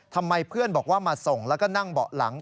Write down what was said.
ทำไมเพื่อนบอกว่ามาส่งแล้วก็นั่งเบาะหลัง